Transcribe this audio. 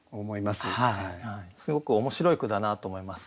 すごく面白い句だなと思います。